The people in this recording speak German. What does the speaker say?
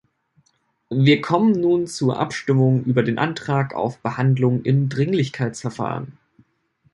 Wir kommen nun zur Abstimmung über den Antrag auf Behandlung im Dringlichkeitsverfahren.